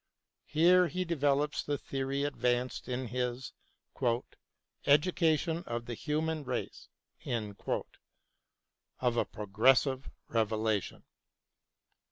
Here he develops the theory advanced in his " Educa tion of the Human Race "— of a progressive revelation.